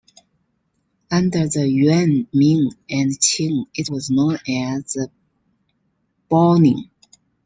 Under the Yuan, Ming, and Qing, it was known as Baoning.